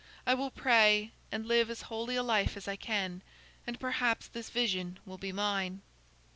I will pray, and live as holy a life as I can, and perhaps this vision will be mine."